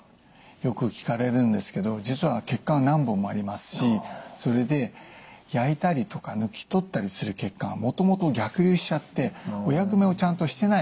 よく聞かれるんですけど実は血管は何本もありますしそれで焼いたりとか抜き取ったりする血管はもともと逆流しちゃってお役目をちゃんとしてない。